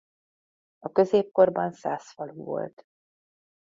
A középkorban szász falu volt.